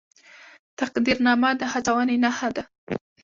تقدیرنامه د هڅونې نښه ده